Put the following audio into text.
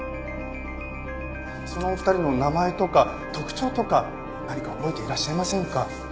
そのお二人の名前とか特徴とか何か覚えていらっしゃいませんか？